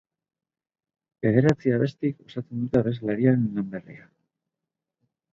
Bederatzi abestik osatzen dute abeslariaren lan berria.